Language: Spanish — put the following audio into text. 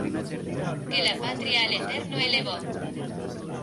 Que la patria al Eterno elevó.